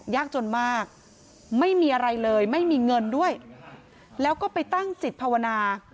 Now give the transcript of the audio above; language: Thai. ยากจนมากไม่มีอะไรเลยไม่มีเงินด้วยแล้วก็ไปตั้งจิตภาวนา